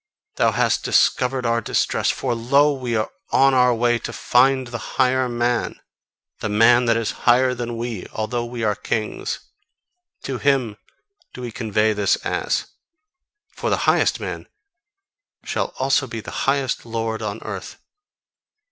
Thou hast discovered our distress; for lo! we are on our way to find the higher man The man that is higher than we, although we are kings. To him do we convey this ass. For the highest man shall also be the highest lord on earth.